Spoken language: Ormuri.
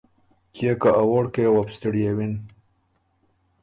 کيې که ا ووړکئ یه وه بُو ستِړيېوِن۔